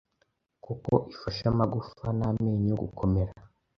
kuko ifasha amagufa n’amenyo gukomera